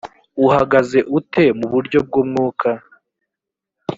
uhagaze ute mu buryo bw umwuka